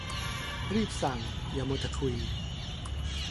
รีบสั่ง อย่ามัวแต่คุย